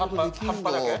葉っぱだけ？